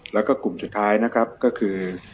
แล้วก็กลุ่มสุดท้ายนะครับก็คือ